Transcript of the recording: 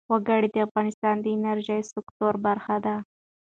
وګړي د افغانستان د انرژۍ سکتور برخه ده.